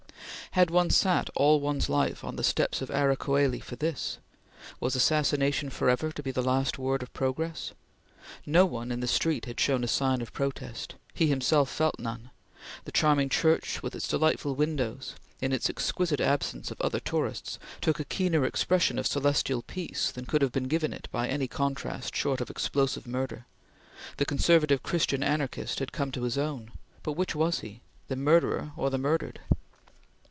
Had one sat all one's life on the steps of Ara Coeli for this? Was assassination forever to be the last word of Progress? No one in the street had shown a sign of protest; he himself felt none; the charming Church with its delightful windows, in its exquisite absence of other tourists, took a keener expression of celestial peace than could have been given it by any contrast short of explosive murder; the conservative Christian anarchist had come to his own, but which was he the murderer or the murdered?